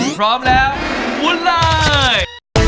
พร้อมแล้วมุนเลย